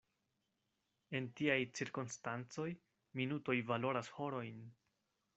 En tiaj cirkonstancoj minutoj valoras horojn.